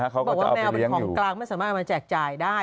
เขาบอกว่าแมวเป็นของกลางไม่สามารถเอามาแจกจ่ายได้